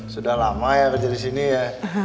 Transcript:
sudah lama ya kerja di sini ya